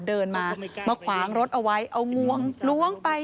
เดินมามาขวางรถเอาไว้เอางวงล้วงไป